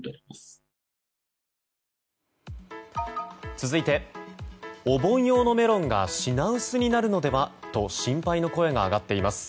続いて、お盆用のメロンが品薄になるのではと心配の声が上がっています。